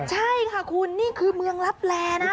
ใช่ค่ะคุณนี่คือเมืองลับแลนะ